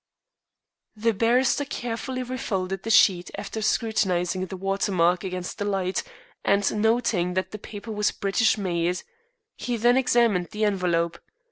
The barrister carefully refolded the sheet after scrutinizing the water mark against the light, and noting that the paper was British made; he then examined the envelope.